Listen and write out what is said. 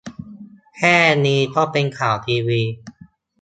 แค่นี้ก็เป็นข่าวทีวี !